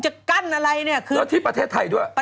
จะกั้นอะไรเนี่ยคือแล้วที่ประเทศไทยด้วย